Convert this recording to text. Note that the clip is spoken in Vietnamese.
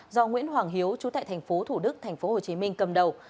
do nguyễn hoàng hiếu trú tại tp thủ đức tp hcm cầm đầu